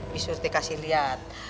bi surti kasih liat